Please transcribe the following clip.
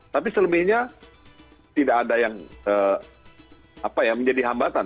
tapi selebihnya tidak ada yang menjadi hambatan